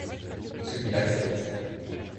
Ce qu'il accepte.